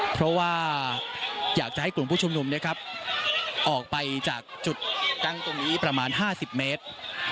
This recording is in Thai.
เพราะว่าอยากจะให้กลุ่มผู้ชุมนุมนะครับออกไปจากจุดตั้งตรงนี้ประมาณ๕๐เมตร